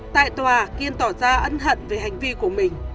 tại tòa kiên tỏ ra ân hận về hành vi của mình